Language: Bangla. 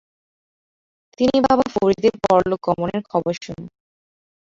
তিনি বাবা ফরিদের পরলোক গমনের খবর শুনেন।